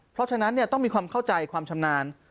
เพราะฉะนั้นต้องมีความเข้าใจความชำนาญ